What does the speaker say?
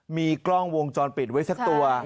มีกล้องวงจรปิดไว้สักตัว